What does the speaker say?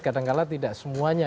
kadang kadang tidak semuanya